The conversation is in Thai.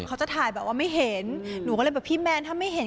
เขาจะถ่ายแบบว่าไม่เห็นหนูก็เลยแบบพี่แมนถ้าไม่เห็น